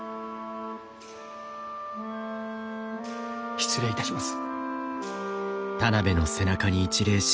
失礼いたします。